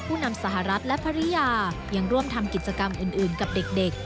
นำสหรัฐและภรรยายังร่วมทำกิจกรรมอื่นกับเด็ก